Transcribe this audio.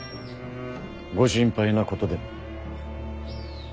ご心配なことでも？